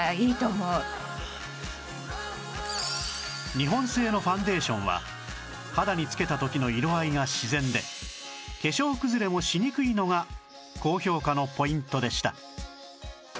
日本製のファンデーションは肌につけた時の色合いが自然で化粧崩れもしにくいのが高評価のポイントでした